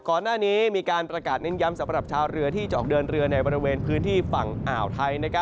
ก่อนหน้านี้มีการประกาศเน้นย้ำสำหรับชาวเรือที่จะออกเดินเรือในบริเวณพื้นที่ฝั่งอ่าวไทย